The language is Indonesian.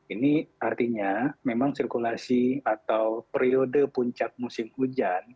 ini artinya memang sirkulasi atau periode puncak musim hujan